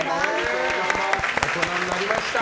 大人になりました。